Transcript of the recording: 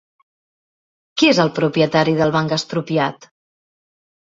Qui és el propietari del Banc Expropiat?